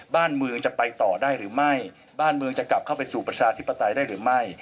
บ้านเมืองจะไปต่อได้หรือไม่บ้านเมืองจะกลับเข้าไปสู่ประชาธิปไตยได้หรือไม่